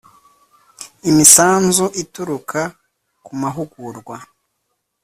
imisanzu ituruka ku mahugurwa